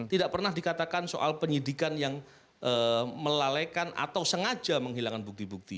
tidak pernah dikatakan soal penyidikan yang melalekan atau sengaja menghilangkan bukti bukti